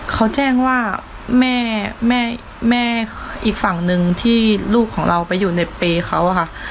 เขาแจ้งว่าแม่แม่อีกฝั่งหนึ่งที่ลูกของเราไปอยู่ในเปรย์เขาอะค่ะ